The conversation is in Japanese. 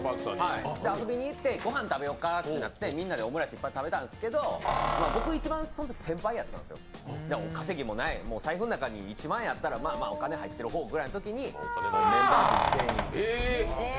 遊びに行って、御飯食べようかってなってみんなでオムライス食べたんですけど、僕一番そのとき先輩やったんですよ、稼ぎもない、財布の中に一万円あったらまあまあお金が入ってる方のときにメンバー分全員。